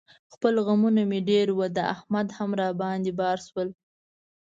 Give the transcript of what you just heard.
خپل غمونه مې ډېر و، د احمد هم را باندې بار شول.